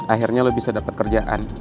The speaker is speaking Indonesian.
akhirnya lo bisa dapat kerjaan